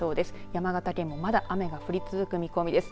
山形県もまだ雨が降り続く見込みです。